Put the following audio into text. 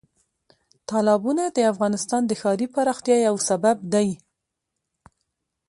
تالابونه د افغانستان د ښاري پراختیا یو سبب دی.